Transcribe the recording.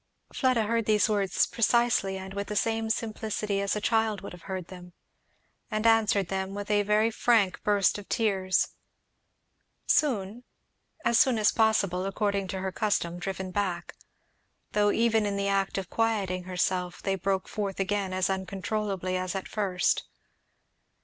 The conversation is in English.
Fleda heard these words precisely and with the same simplicity as a child would have heard them, and answered with a very frank burst of tears, soon, as soon as possible, according to her custom, driven back; though even in the act of quieting herself they broke forth again as uncontrollably as at first.